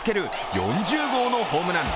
４０号のホームラン。